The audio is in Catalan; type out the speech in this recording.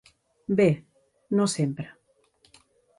Bé, no sempre.